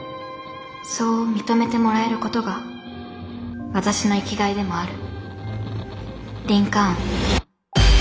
そう認めてもらえることが私の生きがいでもある。